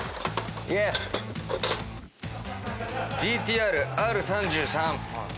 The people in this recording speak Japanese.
ＧＴ−ＲＲ３３。